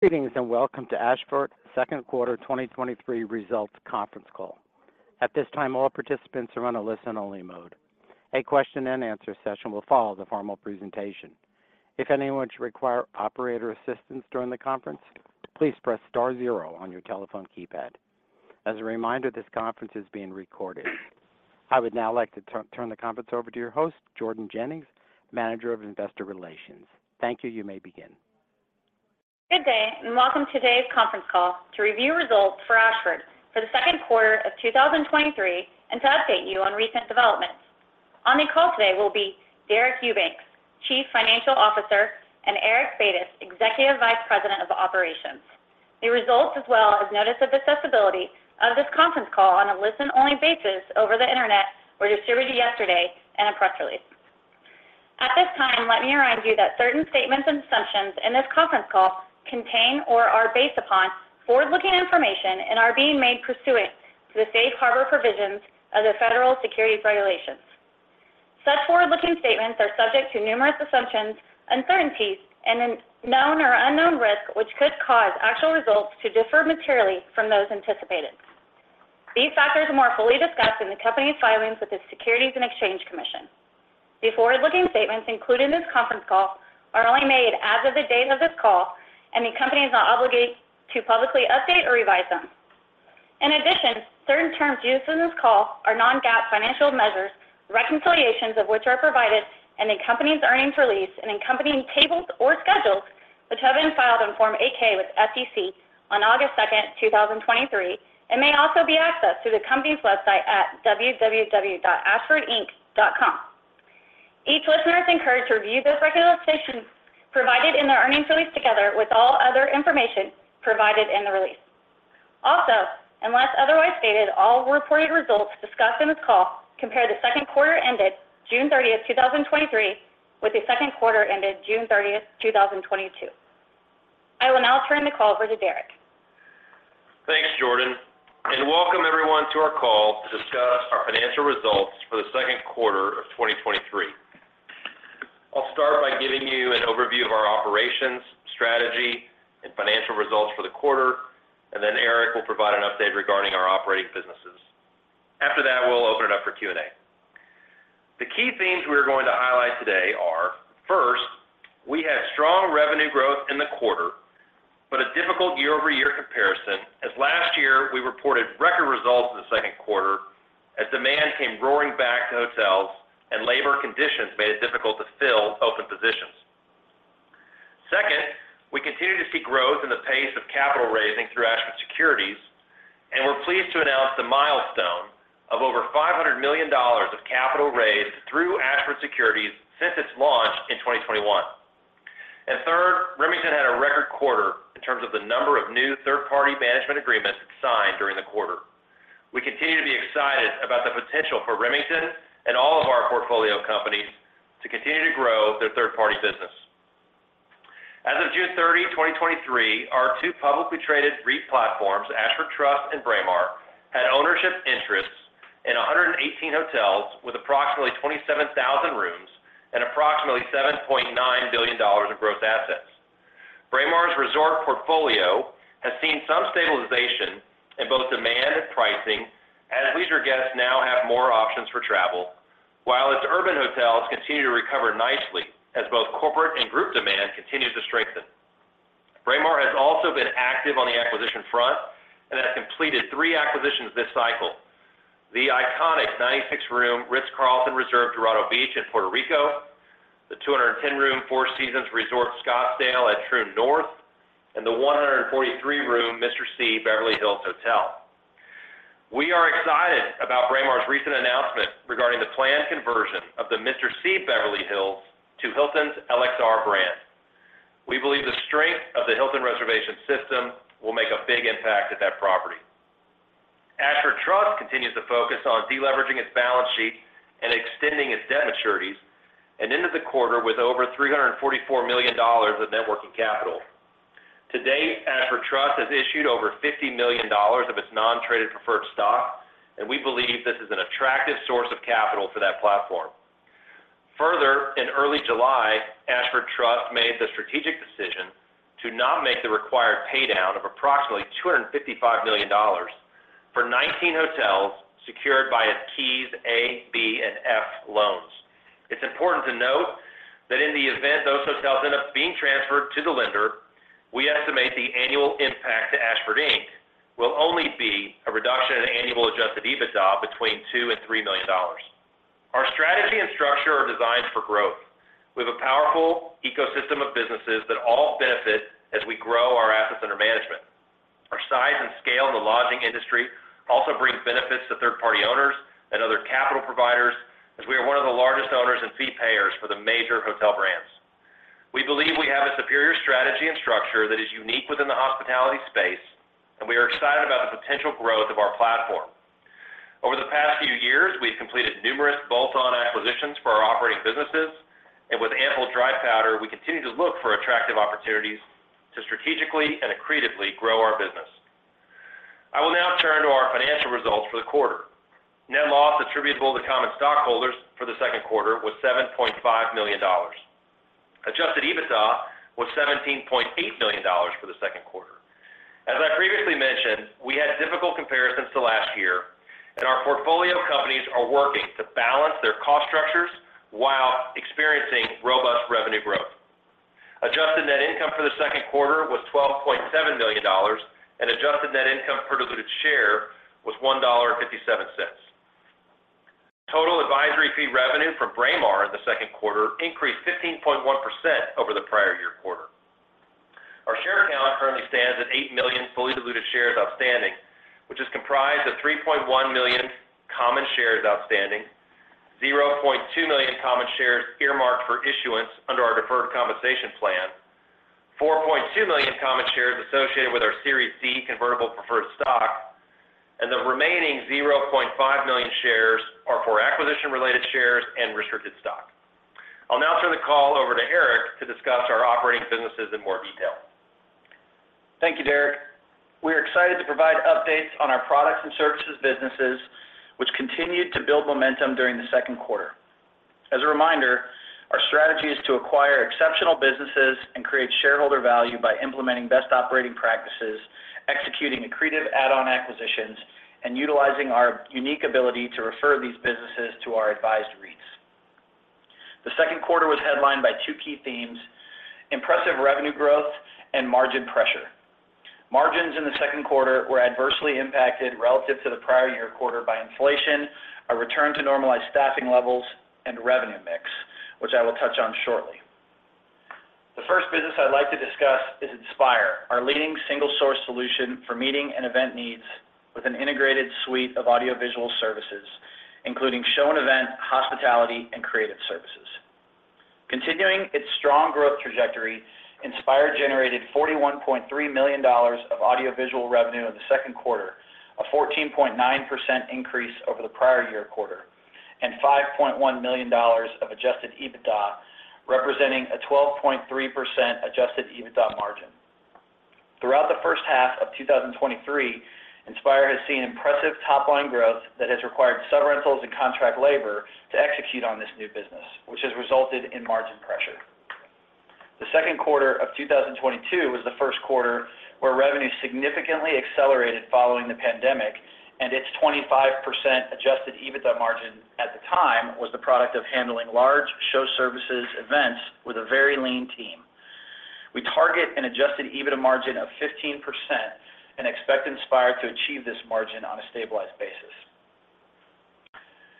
Greetings, and welcome to Ashford Second Quarter 2023 Results Conference Call. At this time, all participants are on a listen-only mode. A question-and-answer session will follow the formal presentation. If anyone should require operator assistance during the conference, please press star zero on your telephone keypad. As a reminder, this conference is being recorded. I would now like to turn the conference over to your host, Jordan Jennings, Manager of Investor Relations. Thank you. You may begin. Good day. Welcome to today's conference call to review results for Ashford for the second quarter of 2023, and to update you on recent developments. On the call today will be Deric Eubanks, Chief Financial Officer, and Eric Batis, Executive Vice President of Operations. The results, as well as notice of accessibility of this conference call on a listen-only basis over the Internet, were distributed yesterday in a press release. At this time, let me remind you that certain statements and assumptions in this conference call contain or are based upon forward-looking information and are being made pursuant to the Safe Harbor provisions of the Federal Securities regulations. Such forward-looking statements are subject to numerous assumptions, uncertainties, and then known or unknown risks, which could cause actual results to differ materially from those anticipated. These factors are more fully discussed in the company's filings with the Securities and Exchange Commission. The forward-looking statements included in this conference call are only made as of the date of this call, and the company is not obligated to publicly update or revise them. In addition, certain terms used in this call are non-GAAP financial measures, reconciliations of which are provided in the company's earnings release, and in accompanying tables or schedules, which have been filed on Form 8-K with SEC on 2 August 2023, and may also be accessed through the company's website at www.ashfordinc.com. Each listener is encouraged to review this reconciliation provided in the earnings release, together with all other information provided in the release. Also, unless otherwise stated, all reported results discussed in this call compare the second quarter ended 30 June 2023, with the second quarter ended 30 June 2022. I will now turn the call over to Deric. Thanks, Jordan, welcome everyone to our call to discuss our financial results for the second quarter of 2023. I'll start by giving you an overview of our operations, strategy, and financial results for the quarter, then Eric will provide an update regarding our operating businesses. After that, we'll open it up for Q&A. The key themes we are going to highlight today are, first, we had strong revenue growth in the quarter, but a difficult year-over-year comparison, as last year, we reported record results in the second quarter as demand came roaring back to hotels and labor conditions made it difficult to fill open positions. Second, we continue to see growth in the pace of capital raising through Ashford Securities, we're pleased to announce the milestone of over $500 million of capital raised through Ashford Securities since its launch in 2021. Third, Remington had a record quarter in terms of the number of new third-party management agreements it signed during the quarter. We continue to be excited about the potential for Remington and all of our portfolio companies to continue to grow their third-party business. As of 30 June 2023, our two publicly traded REIT platforms, Ashford Trust and Braemar, had ownership interests in 118 hotels with approximately 27,000 rooms and approximately $7.9 billion in gross assets. Braemar's resort portfolio has seen some stabilization in both demand and pricing, as leisure guests now have more options for travel, while its urban hotels continue to recover nicely as both corporate and group demand continues to strengthen. Braemar has also been active on the acquisition front and has completed three acquisitions this cycle: the iconic 96-room Ritz-Carlton Reserve Dorado Beach in Puerto Rico, the 210-room Four Seasons Resort Scottsdale at Troon North, and the 143-room Mr. C Beverly Hills Hotel. We are excited about Braemar's recent announcement regarding the planned conversion of the Mr. C Beverly Hills to Hilton's LXR brand. We believe the strength of the Hilton reservation system will make a big impact at that property. Ashford Trust continues to focus on deleveraging its balance sheet and extending its debt maturities and ended the quarter with over $344 million of net working capital. To date, Ashford Trust has issued over $50 million of its non-traded preferred stock, and we believe this is an attractive source of capital for that platform. Further, in early July, Ashford Trust made the strategic decision to not make the required paydown of approximately $255 million for 19 hotels secured by its KEYS A, KEYS B, and KEYS F loans. It's important to note that in the event those hotels end up being transferred to the lender, we estimate the annual impact to Ashford Inc. will only be a reduction in annual Adjusted EBITDA between $2 million and $3 million. Our strategy and structure are designed for growth. We have a powerful ecosystem of businesses that all benefit as we grow our assets under management. Our size and scale in the lodging industry also brings benefits to third-party owners and other capital providers, as we are one of the largest owners and fee payers for the major hotel brands. We believe we have a superior strategy and structure that is unique within the hospitality space, and we are excited about the potential growth of our platform. Over the past few years, we've completed numerous bolt-on acquisitions for our operating businesses, and with ample dry powder, we continue to look for attractive opportunities to strategically and accretively grow our business. I will now turn to our financial results for the quarter. Net loss attributable to common stockholders for the second quarter was $7.5 million. Adjusted EBITDA was $17.8 million for the second quarter. As I previously mentioned, we had difficult comparisons to last year, and our portfolio companies are working to balance their cost structures while experiencing robust revenue growth. Adjusted net income for the second quarter was $12.7 million, and adjusted net income per diluted share was $1.57. Total advisory fee revenue from Braemar in the second quarter increased 15.1% over the prior year quarter. Our share count currently stands at 8 million fully diluted shares outstanding, which is comprised of 3.1 million common shares outstanding, 0.2 million common shares earmarked for issuance under our deferred compensation plan, 4.2 million common shares associated with our Series C convertible preferred stock, and the remaining 0.5 million shares are for acquisition-related shares and restricted stock. I'll now turn the call over to Eric to discuss our operating businesses in more detail. Thank you, Deric. We are excited to provide updates on our products and services businesses, which continued to build momentum during the second quarter. As a reminder, our strategy is to acquire exceptional businesses and create shareholder value by implementing best operating practices, executing accretive add-on acquisitions, and utilizing our unique ability to refer these businesses to our advised REITs. The two key themes for the second quarter were impressive revenue growth and margin pressure. Margins in the second quarter were adversely impacted relative to the prior year quarter by inflation, a return to normalized staffing levels, and revenue mix, which I will touch on shortly. The first business I'd like to discuss is INSPIRE, our leading single-source solution for meeting and event needs with an integrated suite of audiovisual services, including show and event, hospitality, and creative services. Continuing its strong growth trajectory, INSPIRE generated $41.3 million of audiovisual revenue in the second quarter, a 14.9% increase over the prior year quarter, and $5.1 million of adjusted EBITDA, representing a 12.3% adjusted EBITDA margin. Throughout the first half of 2023, INSPIRE has seen impressive top-line growth that has required subrentals and contract labor to execute on this new business, which has resulted in margin pressure. The second quarter of 2022 was the first quarter where revenue significantly accelerated following the pandemic, and its 25% adjusted EBITDA margin at the time was the product of handling large show services events with a very lean team. We target an adjusted EBITDA margin of 15% and expect INSPIRE to achieve this margin on a stabilized basis.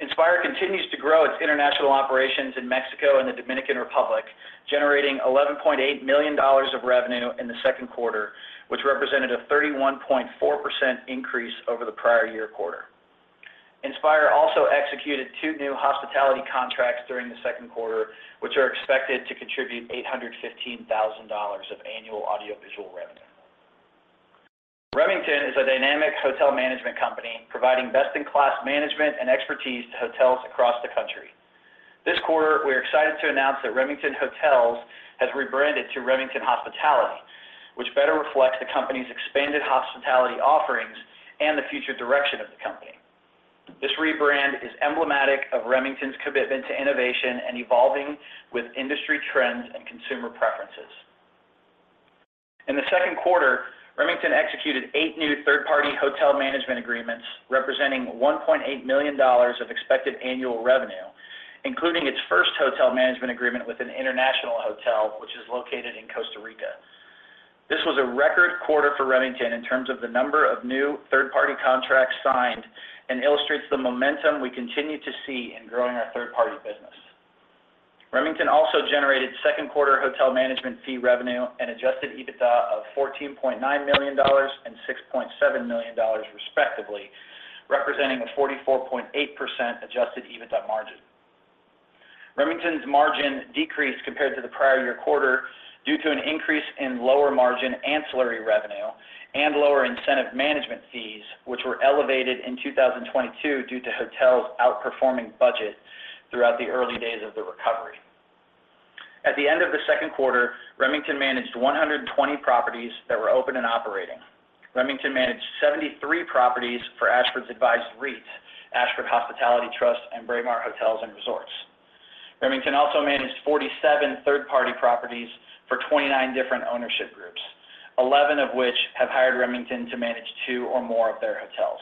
INSPIRE continues to grow its international operations in Mexico and the Dominican Republic, generating $11.8 million of revenue in the second quarter, which represented a 31.4% increase over the prior year quarter. INSPIRE also executed two new hospitality contracts during the second quarter, which are expected to contribute $815,000 of annual audiovisual revenue. Remington is a dynamic hotel management company providing best-in-class management and expertise to hotels across the country. This quarter, we are excited to announce that Remington Hotels has rebranded to Remington Hospitality, which better reflects the company's expanded hospitality offerings and the future direction of the company. This rebrand is emblematic of Remington's commitment to innovation and evolving with industry trends and consumer preferences. In the second quarter, Remington executed eight new third-party hotel management agreements, representing $1.8 million of expected annual revenue, including its first hotel management agreement with an international hotel, which is located in Costa Rica. This was a record quarter for Remington in terms of the number of new third-party contracts signed and illustrates the momentum we continue to see in growing our third-party business. Remington also generated second quarter hotel management fee revenue and Adjusted EBITDA of $14.9 million and $6.7 million, respectively, representing a 44.8% Adjusted EBITDA margin. Remington's margin decreased compared to the prior year quarter due to an increase in lower margin ancillary revenue and lower incentive management fees, which were elevated in 2022 due to hotels outperforming budget throughout the early days of the recovery. At the end of the second quarter, Remington managed 120 properties that were open and operating. Remington managed 73 properties for Ashford's advised REIT, Ashford Hospitality Trust and Braemar Hotels & Resorts. Remington also managed 47 third-party properties for 29 different ownership groups, 11 of which have hired Remington to manage two or more of their hotels.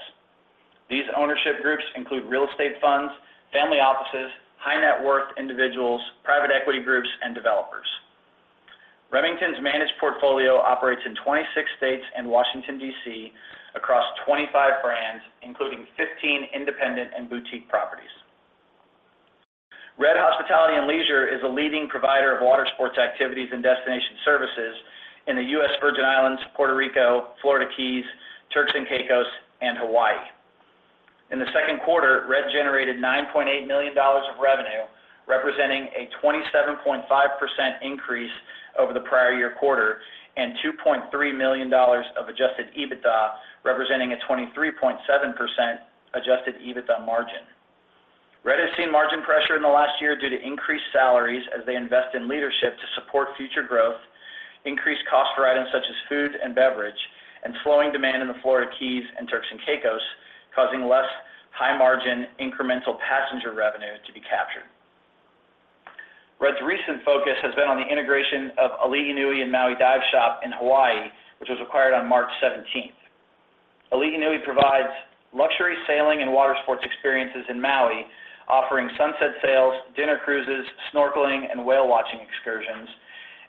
These ownership groups include real estate funds, family offices, high-net-worth individuals, private equity groups, and developers. Remington's managed portfolio operates in 26 states and Washington, DC, across 25 brands, including 15 independent and boutique properties. RED Hospitality & Leisure is a leading provider of water sports activities and destination services in the US Virgin Islands, Puerto Rico, Florida Keys, Turks and Caicos, and Hawaii. In the second quarter, Red generated $9.8 million of revenue, representing a 27.5% increase over the prior year quarter, and $2.3 million of Adjusted EBITDA, representing a 23.7% Adjusted EBITDA margin. Red has seen margin pressure in the last year due to increased salaries as they invest in leadership to support future growth, increased cost for items such as food and beverage, and slowing demand in the Florida Keys and Turks and Caicos, causing less high-margin incremental passenger revenue to be captured. Red's recent focus has been on the integration of Alii Nui in Maui Dive Shop in Hawaii, which was acquired on 17 March 2023. Alii Nui provides luxury sailing and water sports experiences in Maui, offering sunset sails, dinner cruises, snorkeling, and whale watching excursions,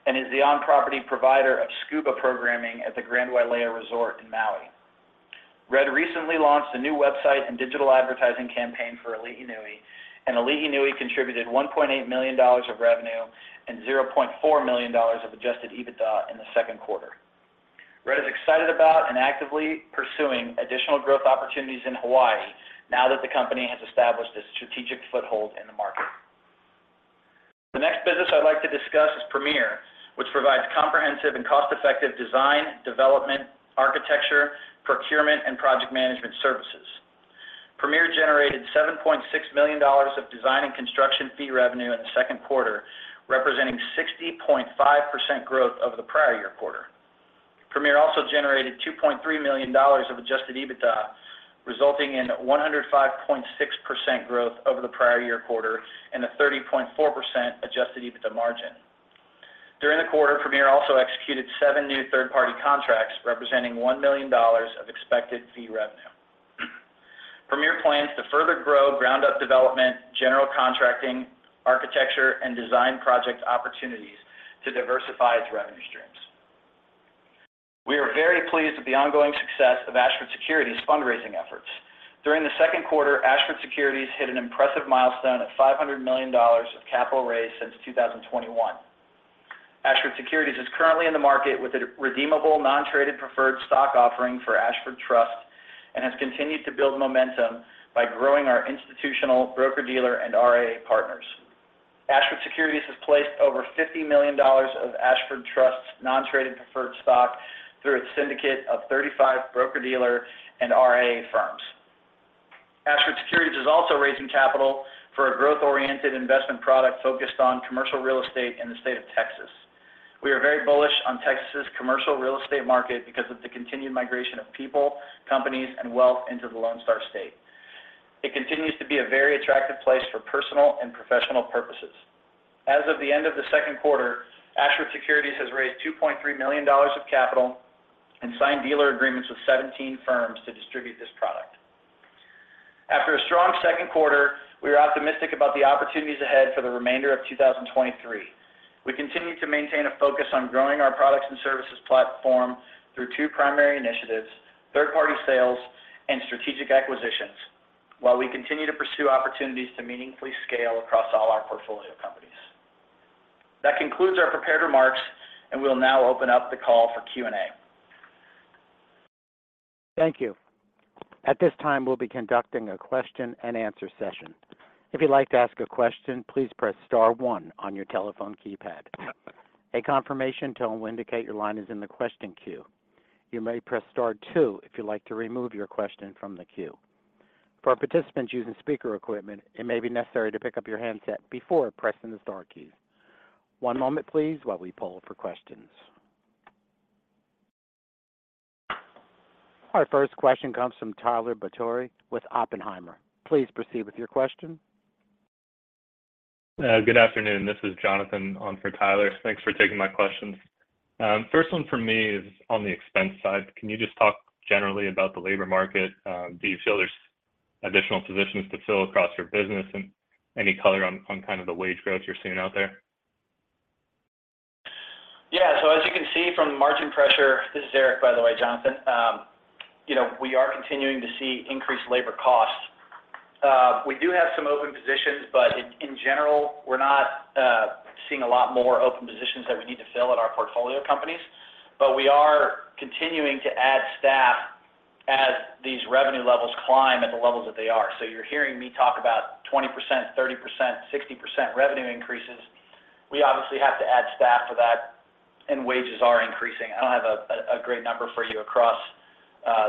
and is the on-property provider of scuba programming at the Grand Wailea Resort in Maui. Red recently launched a new website and digital advertising campaign for Alii Nui, and Alii Nui contributed $1.8 million of revenue and $0.4 million of Adjusted EBITDA in the second quarter. Red is excited about and actively pursuing additional growth opportunities in Hawaii now that the company has established a strategic foothold in the market. The next business I'd like to discuss is Premier, which provides comprehensive and cost-effective design, development, architecture, procurement, and project management services. Premier generated $7.6 million of design and construction fee revenue in the second quarter, representing 60.5% growth over the prior year quarter. Premier also generated $2.3 million of Adjusted EBITDA, resulting in 105.6% growth over the prior year quarter and a 30.4% Adjusted EBITDA margin. During the quarter, Premier also executed seven new third-party contracts, representing $1 million of expected fee revenue. Premier plans to further grow ground-up development, general contracting, architecture, and design project opportunities to diversify its revenue streams. We are very pleased with the ongoing success of Ashford Securities' fundraising efforts. During the second quarter, Ashford Securities hit an impressive milestone of $500 million of capital raised since 2021. Ashford Securities is currently in the market with a redeemable, non-traded preferred stock offering for Ashford Trust and has continued to build momentum by growing our institutional broker-dealer and RIA partners. Ashford Securities has placed over $50 million of Ashford Trust's non-traded preferred stock through its syndicate of 35 broker-dealer and RIA firms. Ashford Securities is also raising capital for a growth-oriented investment product focused on commercial real estate in the state of Texas. We are very bullish on Texas' commercial real estate market because of the continued migration of people, companies, and wealth into the Lone Star State. It continues to be a very attractive place for personal and professional purposes. As of the end of the second quarter, Ashford Securities has raised $2.3 million of capital and signed dealer agreements with 17 firms to distribute this product. After a strong second quarter, we are optimistic about the opportunities ahead for the remainder of 2023. We continue to maintain a focus on growing our products and services platform through two primary initiatives: third-party sales and strategic acquisitions, while we continue to pursue opportunities to meaningfully scale across all our portfolio companies. That concludes our prepared remarks, and we'll now open up the call for Q&A. Thank you. At this time, we'll be conducting a question-and-answer session. If you'd like to ask a question, please press star one on your telephone keypad. A confirmation tone will indicate your line is in the question queue. You may press star two if you'd like to remove your question from the queue. For participants using speaker equipment, it may be necessary to pick up your handset before pressing the star keys. One moment, please, while we poll for questions. Our first question comes from Tyler Batory with Oppenheimer. Please proceed with your question. Good afternoon. This is Jonathan on for Tyler. Thanks for taking my questions. First one for me is on the expense side. Can you just talk generally about the labor market? Do you feel there's additional positions to fill across your business, and any color on kind of the wage growth you're seeing out there? Yeah. As you can see from the margin pressure... This is Eric, by the way, Jonathan. You know, we are continuing to see increased labor costs. We do have some open positions, but in general, we're not seeing a lot more open positions that we need to fill at our portfolio companies. We are continuing to add staff as these revenue levels climb at the levels that they are. You're hearing me talk about 20%, 30%, 60% revenue increases. We obviously have to add staff for that, and wages are increasing. I don't have a great number for you across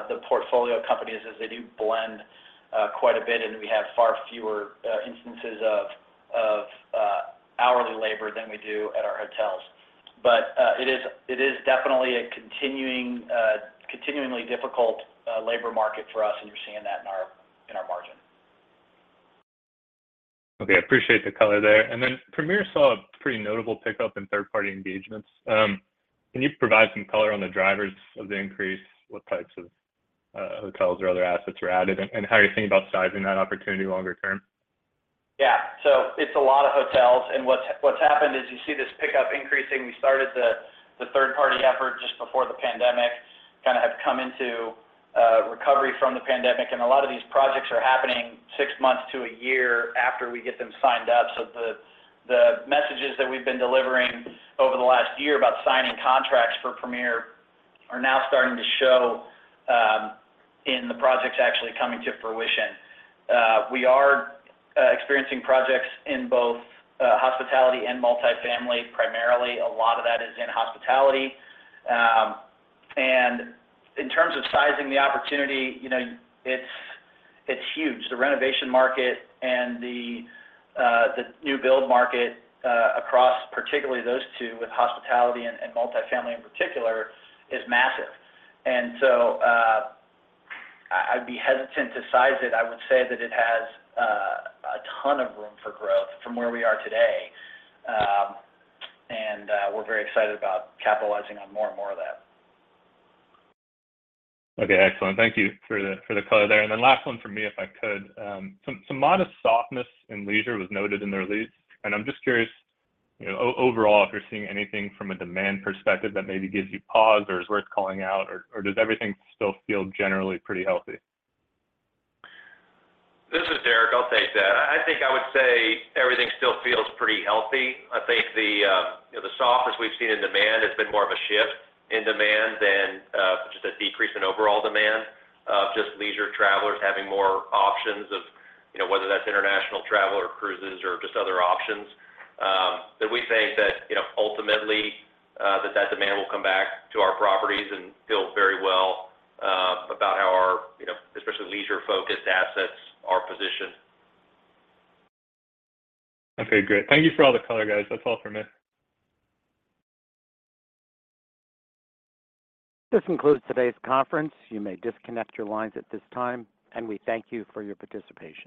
the portfolio companies, as they do blend quite a bit, and we have far fewer instances of hourly labor than we do at our hotels. It is definitely a continuing continuingly difficult labor market for us, and you're seeing that in our margin. Okay, appreciate the color there. Premier saw a pretty notable pickup in third-party engagements. Can you provide some color on the drivers of the increase? What types of hotels or other assets were added, and how are you thinking about sizing that opportunity longer term? It's a lot of hotels, and what's happened is, you see this pickup increasing. We started the third-party effort just before the pandemic, kind of have come into recovery from the pandemic, and a lot of these projects are happening six months to a year after we get them signed up. The messages that we've been delivering over the last year about signing contracts for Premier are now starting to show in the projects actually coming to fruition. We are experiencing projects in both hospitality and multifamily. Primarily a lot of that is in hospitality. In terms of sizing the opportunity, you know, it's huge. The renovation market and the new build market across particularly those two, with hospitality and multifamily in particular, is massive. I'd be hesitant to size it. I would say that it has a ton of room for growth from where we are today, and we're very excited about capitalizing on more and more of that. Okay, excellent. Thank you for the for the color there. Last one for me, if I could. Some modest softness in leisure was noted in the release. I'm just curious, you know, overall, if you're seeing anything from a demand perspective that maybe gives you pause or is worth calling out, or does everything still feel generally pretty healthy? This is Deric. I'll take that. I think I would say everything still feels pretty healthy. I think the, you know, the softness we've seen in demand has been more of a shift in demand than, just a decrease in overall demand, of just leisure travelers having more options of you know, whether that's international travel or cruises or just other options. We think that, you know, ultimately, that that demand will come back to our properties and feel very well, about how our, you know, especially leisure-focused assets are positioned. Okay, great. Thank you for all the color, guys. That's all for me. This concludes today's conference. You may disconnect your lines at this time, and we thank you for your participation.